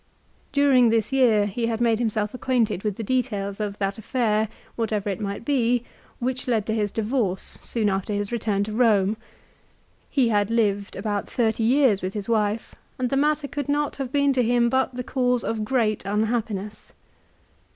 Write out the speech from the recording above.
During this year he had made himself acquainted with the details of that affair, whatever it might be, which led to his divorce soon after his return to Rome. He had lived about thirty years with his wife, and the matter could not have been to him but the cause of great uuhappiness.